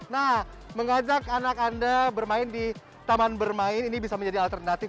nah mengajak anak anda bermain di taman bermain ini bisa menjadi alternatif